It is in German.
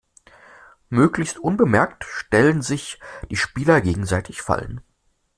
Möglichst unbemerkt stellen sich die Spieler gegenseitig Fallen.